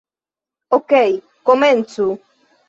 Okej, komencu.